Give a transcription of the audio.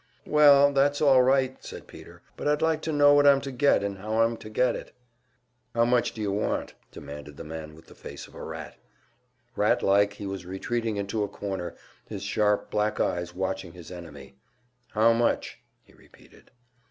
"Well, that's all right," said Peter, "but I'd like to know what I'm to get and how I'm to get it." "How much do you want?" demanded the man with the face of a rat. Rat like, he was retreating into a corner, his sharp black eyes watching his enemy. "How much?" he repeated.